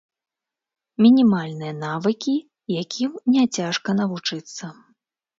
Мінімальныя навыкі, якім няцяжка навучыцца.